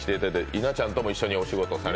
稲ちゃんとも一緒にお仕事をされて？